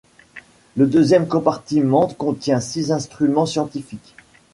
Le deuxième compartiment contient six instruments scientifiques.